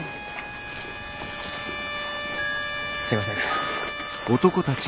すいません。